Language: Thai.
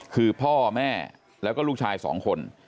คือพ่อแม่แล้วก็ลูกชาย๒คน